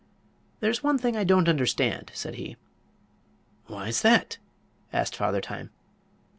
"There's one thing I don't understand," said he. "What's that?" asked Father Time.